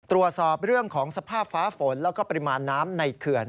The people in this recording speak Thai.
ตรวจสอบเรื่องของสภาพฟ้าฝนแล้วก็ปริมาณน้ำในเขื่อน